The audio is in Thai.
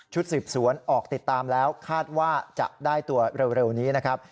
สืบสวนออกติดตามแล้วคาดว่าจะได้ตัวเร็วนี้นะครับ